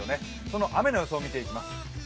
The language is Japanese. その雨の予想を見ていきます。